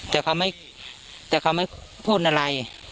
แต่เขาไม่พูดอะไร